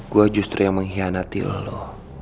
gue justru yang mengkhianati lo